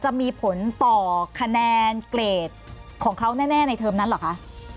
จะมีผลต่อคะแนนเกรดของเขาแน่ในเทอมนั้นเหรอคะ